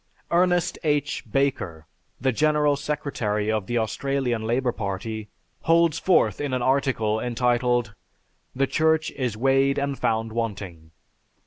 Ernest H. Barker, the general secretary of the Australian Labor Party, holds forth in an article entitled, "The Church is Weighed and Found Wanting."